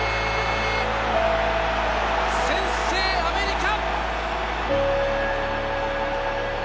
先制アメリカ。